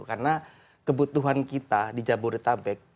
karena kebutuhan kita di jabodetabek